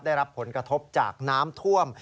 ได้รับผลกระทบจากน้ำท่วม